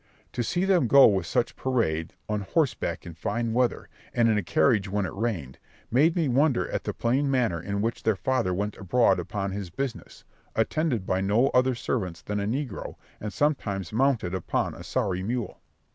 To see them go with such parade, on horseback in fine weather, and in a carriage when it rained, made me wonder at the plain manner in which their father went abroad upon his business, attended by no other servant than a negro, and sometimes mounted upon a sorry mule.